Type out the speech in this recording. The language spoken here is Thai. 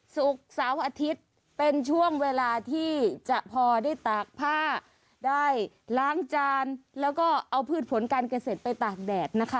ศุกร์เสาร์อาทิตย์เป็นช่วงเวลาที่จะพอได้ตากผ้าได้ล้างจานแล้วก็เอาพืชผลการเกษตรไปตากแดดนะคะ